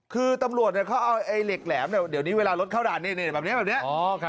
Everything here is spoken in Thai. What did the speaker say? คือตำรวจเขาเอาเหล็กแหลมเดี๋ยวนี้เวลารถเข้าด่านแบบนี้แบบนี้